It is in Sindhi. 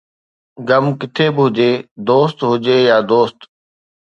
غم ڪٿي به هجي، دوست هجي يا دوست